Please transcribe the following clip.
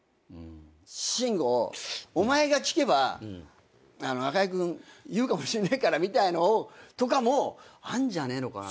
慎吾を「お前が聞けば中居君言うかもしんないから」みたいのをとかもあんじゃねえのかなみたいな。